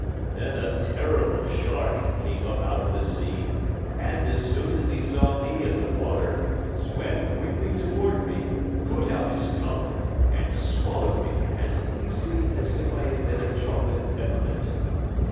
Then a Terrible Shark came up out of the sea and, as soon as he saw me in the water, swam quickly toward me, put out his tongue, and swallowed me as easily as if I had been a chocolate peppermint."